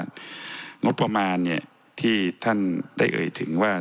ท่านสมาชิกนะครับว่างดประมาณเนี่ยที่ท่านได้เอ่ยถึงว่า